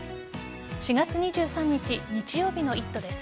４月２３日日曜日の「イット！」です。